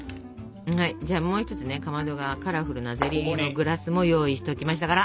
はいじゃあもう一つねかまどがカラフルなゼリー入りのグラスも用意しときましたから！